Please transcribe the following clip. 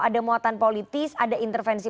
ada muatan politis ada intervensi